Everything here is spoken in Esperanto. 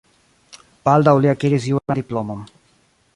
Baldaŭ li akiris juran diplomon.